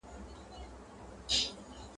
د نسیم قاصد لیدلي مرغکۍ دي په سېلونو ..